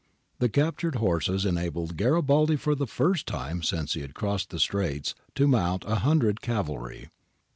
The captured horses enabled Garibaldi for the first time since he had crossed the Straits to mount a hundred cavalry.